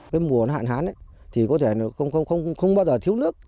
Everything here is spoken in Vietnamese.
cái mùa hạn hán thì có thể là không bao giờ thiếu nước